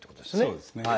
そうですね。